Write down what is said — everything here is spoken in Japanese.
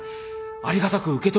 ありがたく受け取るべきです。